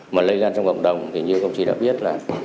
mà lây lan trong cộng đồng thì như công chí đã biết là